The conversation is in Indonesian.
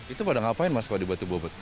itu pada ngapain masuk ke batu bobot